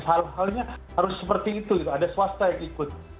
hal halnya harus seperti itu ada swasta yang ikut